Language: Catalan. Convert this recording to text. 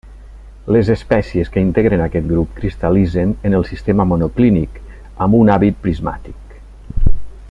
Les espècies que integren aquest grup cristal·litzen en el sistema monoclínic, amb un hàbit prismàtic.